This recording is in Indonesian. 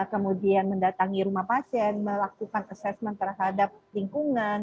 kemudian mendatangi rumah pasien melakukan assessment terhadap lingkungan